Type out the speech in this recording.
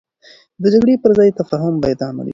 د جګړې پر ځای تفاهم باید عملي شي.